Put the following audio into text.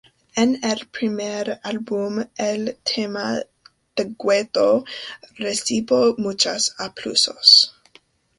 En el primer álbum, el tema "The Gueto", recibió muchos aplausos.